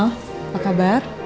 hai al apa kabar